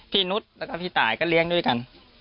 พี่นุฏและพี่ตายก็เลี้ยงด้วยกัน